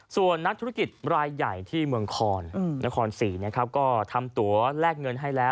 ส่วนนักธุรกิจรายใหญ่ที่เมืองคอนนครศรีนะครับก็ทำตัวแลกเงินให้แล้ว